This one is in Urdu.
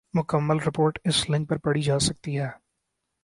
مکمل رپورٹ اس لنک پر پڑھی جا سکتی ہے ۔